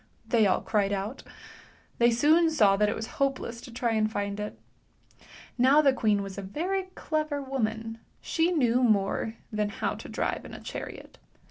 " they all cried out. Thev soon saw that it was hopeless to try and find it. N w the queen was a very clever woman; she knew more than how to drive in a chariot.